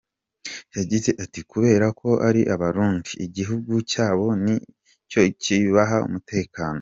Yagize ati "Kubera ko ari Abarundi, igihugu cyabo ni cyo kibaha umutekano.